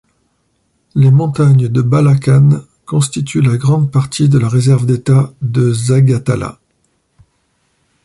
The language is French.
Les montagnes de Balakan constituent la grande partie de la réserve d'État de Zagatala.